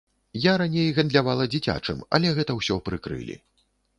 Я раней гандлявала дзіцячым, але гэта ўсё прыкрылі.